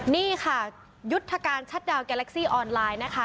นี่ค่ะยุทธการชัดดาวแกเล็กซี่ออนไลน์นะคะ